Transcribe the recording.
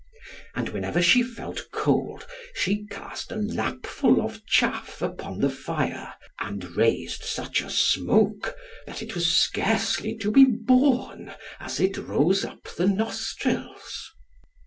And whenever she felt cold, she cast a lapful of chaff upon the fire, and raised such a smoke, that it was scarcely to be borne, as it rose up the nostrils.